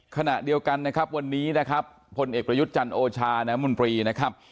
ขณะเดียวกันนะครับวันนี้นะครับพลเอกประยุทธ์จันทร์โอชาน้ำมนตรีนะครับ